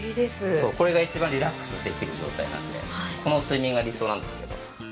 そうこれが一番リラックスできてる状態なのでこの睡眠が理想なんですけど。